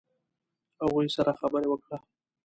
هغوی سره خبرې وکړه.